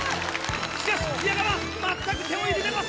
しかし宮川全く手を緩めません！